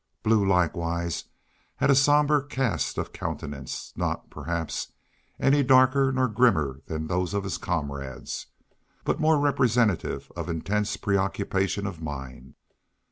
Blue, likewise, had a somber cast of countenance, not, perhaps, any darker nor grimmer than those of his comrades, but more representative of intense preoccupation of mind.